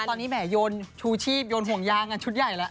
ตอนนี้แหมโยนชูชีพโหงยางชุดใหญ่ละ